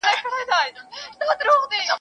جنرالان په مخالفت کي ول.